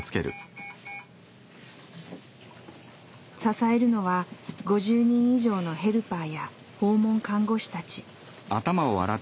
支えるのは５０人以上のヘルパーや訪問看護師たち。